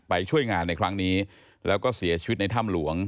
ช่วยงานในครั้งนี้แล้วก็เสียชีวิตในถ้ำหลวง